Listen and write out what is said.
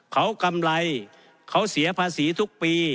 เขากำไรเขาเสียภาษีทุกปี